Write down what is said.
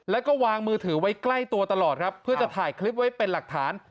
แล้วก็วางมือถือไว้ใกล้ตัวตลอดครับเพื่อจะถ่ายคลิปไว้เป็นหลักฐาน